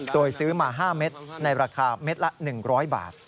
โดยซื้อมา๕เม็ดในราคาเม็ดละ๑๐๐บาท